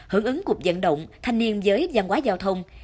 hưởng ứng cuộc dẫn động thanh niên giới gian quá giao thông